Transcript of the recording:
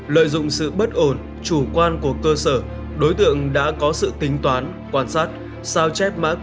lợi dụng sự bất ổn chủ quan của cơ sở đối tượng đã có sự tính toán quan sát sao chép mã